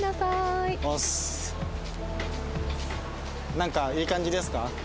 なんかいい感じですか？